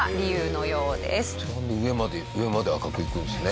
上まで赤くいくんですね。